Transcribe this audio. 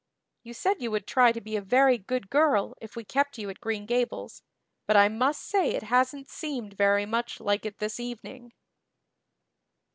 You said you would try to be a very good girl if we kept you at Green Gables, but I must say it hasn't seemed very much like it this evening."